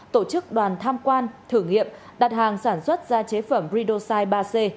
tổ chức đoàn tham quan thử nghiệm đặt hàng sản xuất ra chế phẩm ridosite ba c